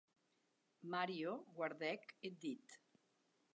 Mario guardèc eth dit.